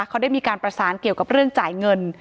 เขาได้มีการประสานเกี่ยวกับเรื่องจ่ายเงิน